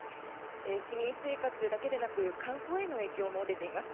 市民生活だけでなく観光への影響も出ています。